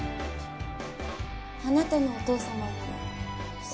あなたのお父様より